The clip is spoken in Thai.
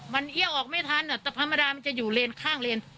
มันเอี้ยวออกไม่ทันแต่ธรรมดามันจะอยู่เลนข้างเลน